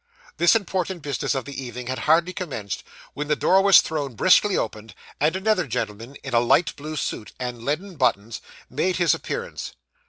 This important business of the evening had hardly commenced, when the door was thrown briskly open, and another gentleman in a light blue suit, and leaden buttons, made his appearance.